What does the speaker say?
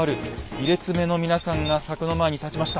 ２列目の皆さんが柵の前に立ちました。